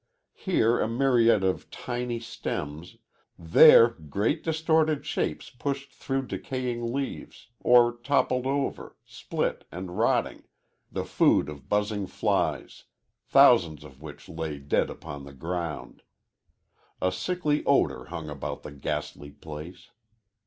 Here a myriad of tiny stems, there great distorted shapes pushed through decaying leaves or toppled over, split and rotting the food of buzzing flies, thousands of which lay dead upon the ground. A sickly odor hung about the ghastly place.